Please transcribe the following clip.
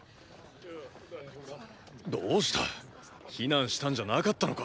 どうした避難したんじゃなかったのか？